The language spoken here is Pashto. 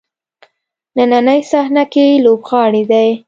نننۍ صحنه کې لوبغاړی دی.